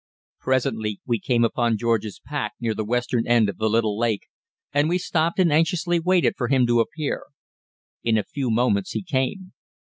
Presently we came upon George's pack near the western end of the little lake, and we stopped and anxiously waited for him to appear. In a few moments he came.